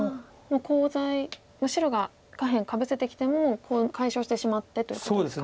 コウ材白が下辺かぶせてきてもコウ解消してしまってということですか。